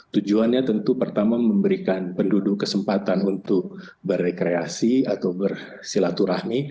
tujuannya tentu pertama memberikan penduduk kesempatan untuk berrekreasi atau bersilaturahmi